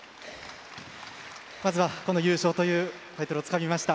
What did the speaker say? まずは、この優勝というタイトルをつかみました。